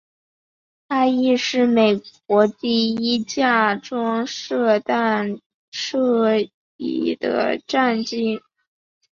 它亦是美国第一架装设弹射椅的战机。